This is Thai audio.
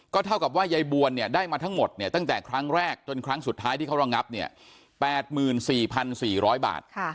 ก็เท่ากับว่ายายบวนได้มาทั้งหมดตั้งแต่ครั้งแรกจนครั้งสุดท้ายที่เขารองงับ๘๔๔๐๐บาท